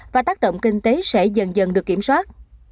và tác động kinh tế sẽ dần dần được kiểm soát